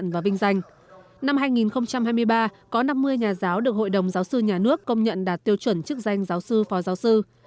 năm hai nghìn hai mươi ba có năm mươi nhà giáo được hội đồng giáo sư nhà nước công nhận đạt tiêu chuẩn chức danh giáo sư phó giáo sư